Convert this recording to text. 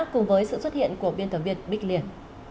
cùng với sự xuất hiện của biên tập viên bích liên